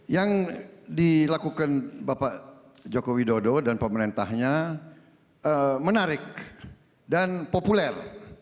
yang dilakukan bapak joko widodo dan pemerintahnya menarik dan populer